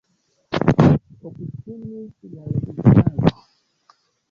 Obstinis la registaro.